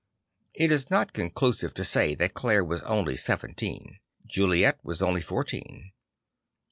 It is not conclusive to say that Clare was only seven teen. Juliet was only fourteen.